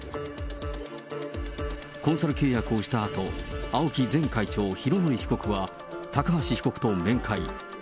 コンサル契約をしたあと、ＡＯＫＩ前会長、拡憲被告は、高橋被告と面会。